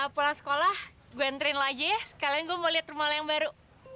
pulang sekolah gue enterin lo aja ya sekalian gue mau liat rumah lo yang baru